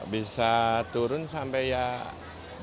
bisa jadi turun sampai berapa